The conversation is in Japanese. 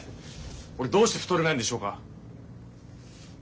俺どうして太れないんでしょうか。